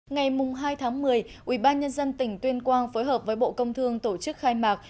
ngày hai tháng một mươi ubnd tỉnh tuyên quang phối hợp với bộ công thương tổ chức khai mạc